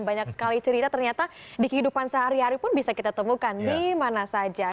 banyak sekali cerita ternyata di kehidupan sehari hari pun bisa kita temukan di mana saja